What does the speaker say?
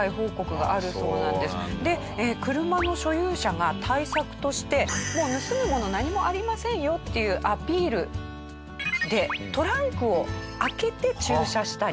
で車の所有者が対策としてもう盗むもの何もありませんよっていうアピールでトランクを開けて駐車したり。